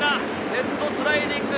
ヘッドスライディング！